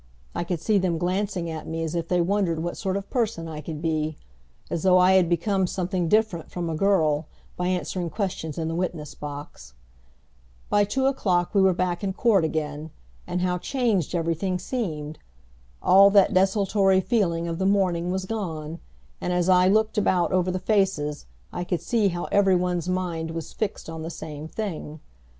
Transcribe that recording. I could see them glancing at me as if they wondered what sort of person I could be as though I had become something different from a girl by answering questions in the witness box. By two o'clock we were back in court again; and how changed everything seemed! All that desultory feeling of the morning was gone, and as I looked about over the faces I could see how every one's mind was fixed on the same thing.